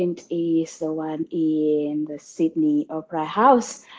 adalah di sydney opera house